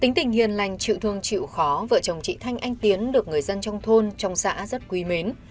tính tình hiền lành chịu thương chịu khó vợ chồng chị thanh anh tiến được người dân trong thôn trong xã rất quý mến